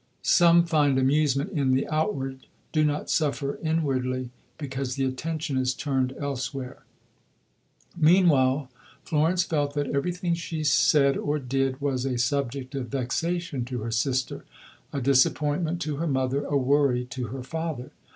Some find amusement in the outward, do not suffer inwardly, because the attention is turned elsewhere." Meanwhile Florence felt that everything she said or did was a subject of vexation to her sister, a disappointment to her mother, a worry to her father.